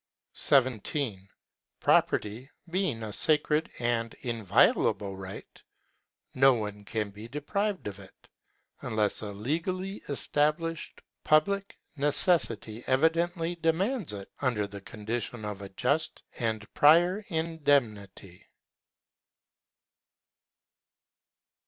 17. Property being a sacred and inviolable right, no one can be deprived of it, unless a legally established public neces sity evidently demands it, under the condition of a just and prior indemnity.